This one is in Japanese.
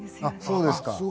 あっそうですか。